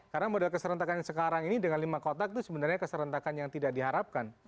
karena model keserentakannya sekarang ini dengan lima kotak itu sebenarnya keserentakan yang tidak diharapkan